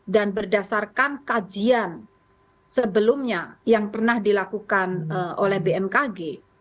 dan berdasarkan kajian sebelumnya yang pernah dilakukan oleh bmkg